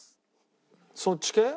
そっち系？